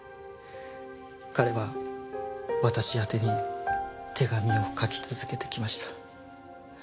彼は私宛てに手紙を書き続けてきました。